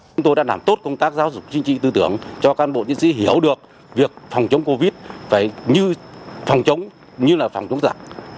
chúng tôi đã làm tốt công tác giáo dục chính trị tư tưởng cho cán bộ chiến sĩ hiểu được việc phòng chống covid phải như phòng chống giặc